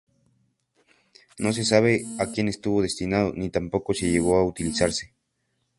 No se sabe a quien estuvo destinado ni tampoco si llegó a utilizarse.